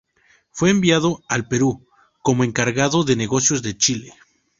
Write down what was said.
Fue enviado al Perú como encargado de negocios de Chile.